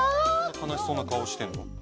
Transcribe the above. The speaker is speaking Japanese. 悲しそうな顔してんの？